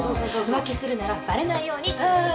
浮気するならバレないようにってやつよね？